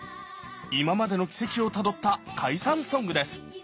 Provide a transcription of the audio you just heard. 今までの軌跡をたどった解散ソングです